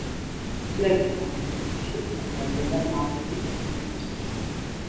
წლების განმავლობაში წარმოადგენდა მავრების ფორტს.